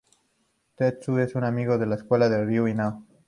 Tetsu es un amigo de la escuela de Ryū y Nao.